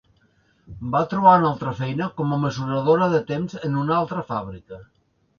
Va trobar una altra feina com a mesuradora de temps en una altra fàbrica.